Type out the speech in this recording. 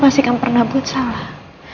papa pasti kamu pernah buat salah